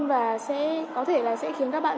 và có thể sẽ khiến các bạn